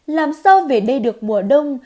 làm sao về đây được mùa đông